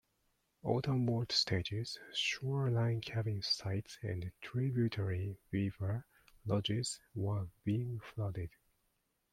Autumn boat stages, shore line cabin sites and tributary beaver lodges were being flooded.